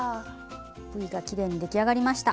Ｖがきれいに出来上がりました。